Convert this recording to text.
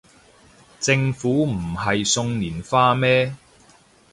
政府唔係送連花咩